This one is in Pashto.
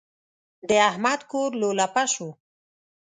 د احمد کور لولپه شو.